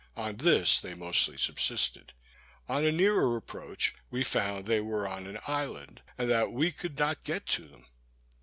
On this they mostly subsisted. On a nearer approach we found they were on an island, and that we could not get to them.